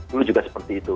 dulu juga seperti itu